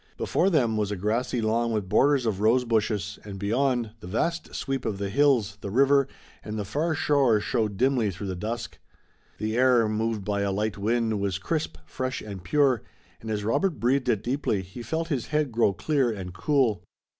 Before them was a grassy lawn with borders of rose bushes, and beyond, the vast sweep of the hills, the river and the far shore showed dimly through the dusk. The air, moved by a light wind, was crisp, fresh and pure, and, as Robert breathed it deeply, he felt his head grow clear and cool.